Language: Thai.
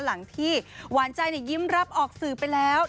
หลังที่หวานใจยิ้มรับออกสื่อไปแล้ว